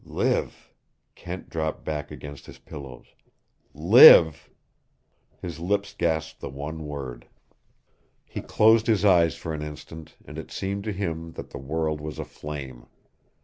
"Live!" Kent dropped back against his pillows. "LIVE!" His lips gasped the one word. He closed his eyes for an instant, and it seemed to him that the world was aflame.